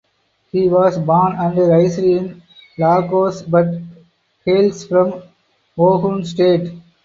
He was born and raised in Lagos but hails from Ogun State.